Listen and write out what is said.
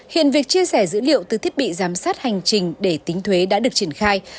hiện việc chia sẻ dữ liệu từ thiết bị giám sát hành trình để tính thuế đã được triển khai